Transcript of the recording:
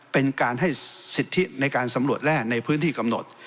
เป็นการให้สิทธิในการสำรวจแร่ในพื้นที่กำหนด